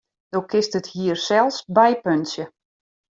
Do kinst it hier sels bypuntsje.